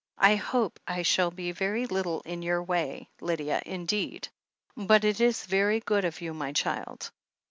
I hope I shall be very little in your way, Lydia, indeed. But it is very good of you, my child."